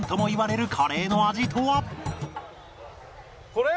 これ？